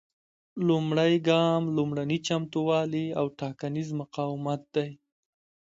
لومړی ګام لومړني چمتووالي او ټاکنیز مقاومت دی.